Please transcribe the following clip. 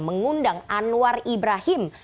mengundang anwar ibrahim